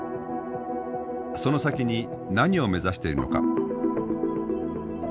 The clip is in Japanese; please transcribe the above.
その先に何を目指しているのか。